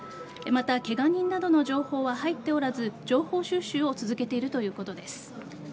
また、ケガ人などの情報は入っておらず情報収集を続けているということです。